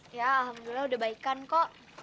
ya alhamdulillah udah baikan kok